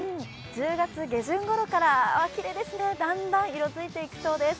１０月下旬ごろから、だんだん色づいていくそうです。